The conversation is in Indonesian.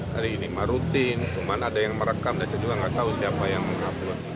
hari ini mah rutin cuman ada yang merekam dan saya juga gak tahu siapa yang mengabur